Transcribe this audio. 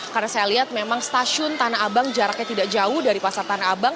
karena saya lihat memang stasiun tanah abang jaraknya tidak jauh dari pasar tanah abang